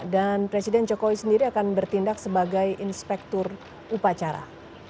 dan presiden jokowi sendiri akan bertindak sebagai inspektur upacara